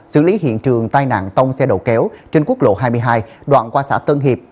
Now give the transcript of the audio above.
xử lý hiện trường tai nạn tông xe đầu kéo trên quốc lộ hai mươi hai đoạn qua xã tân hiệp